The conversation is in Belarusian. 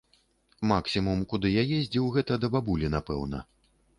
Максімум, куды я ездзіў, гэта да бабулі, напэўна.